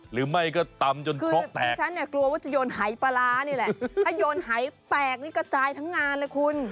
หายแตกนี่กระจายทั้งงานเลยคุณ